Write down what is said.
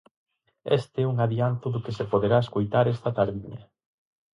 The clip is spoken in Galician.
Este é un adianto do que se poderá escoitar esta tardiña.